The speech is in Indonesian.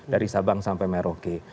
dari sabang sampai merauke